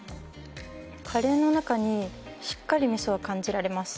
カレーの中にしっかり味噌は感じられます。